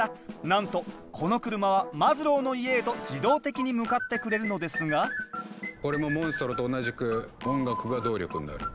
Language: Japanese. なんとこの車はマズローの家へと自動的に向かってくれるのですがこれもモンストロと同じく音楽が動力になる。